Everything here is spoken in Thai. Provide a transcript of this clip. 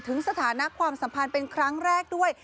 สถานะความสัมพันธ์เป็นครั้งแรกด้วย